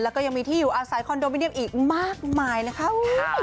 แล้วก็ยังมีที่อยู่อาศัยคอนโดมิเนียมอีกมากมายนะคะ